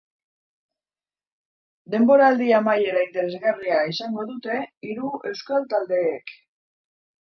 Denboraldi amaiera interesgarria izango dute hiru euskal taldeek.